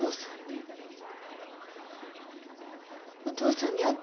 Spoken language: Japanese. お父さんに。